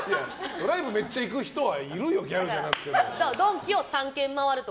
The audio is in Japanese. ドライブめっちゃ行く人はギャルじゃなくてもいるよ。